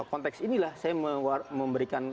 konteks inilah saya memberikan